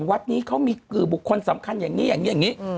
วัดนี้เขามีบุคคลสำคัญอย่างนี้อย่างนี้อย่างนี้